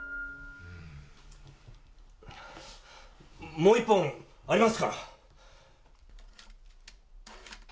もう一本ありますから。